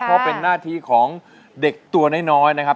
เพราะเป็นหน้าที่ของเด็กตัวน้อยนะครับ